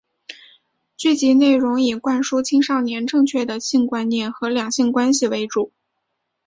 剧集内容以灌输青少年正确的性观念和两性关系为主。